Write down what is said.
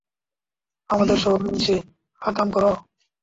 আমাদের শহরে এসে আকাম করো?